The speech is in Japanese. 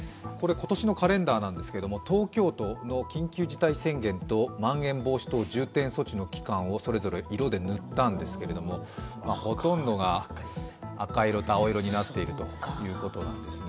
今年のカレンダーなんですけれども、東京都の緊急事態宣言とまん延防止等重点措置の期間をそれぞれ色で塗ったんですがほとんどが赤色と青色になっているということなんですね。